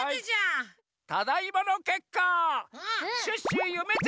ただいまのけっか！